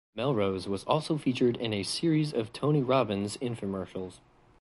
Melrose was also featured in a series of Tony Robbins infomercials.